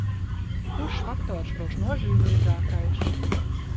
Kurš faktors būs nozīmīgākais?